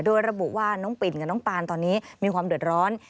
โดยระบุว่าน้องปิ่นกับน้องปานตอนนี้มีความเดือดร้อน